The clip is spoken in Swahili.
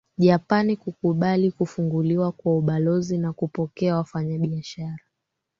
Japani kukubali kufunguliwa kwa ubalozi na kupokea wafanyabiashara